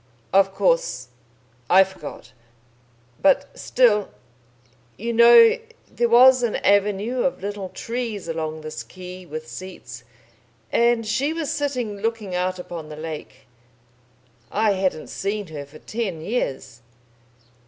"Of course. I forgot. But still You know, there was an avenue of little trees along this quay with seats, and she was sitting looking out upon the lake.... I hadn't seen her for ten years."